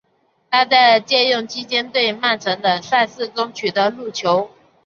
他在借用期间对曼城的赛事中取得入球。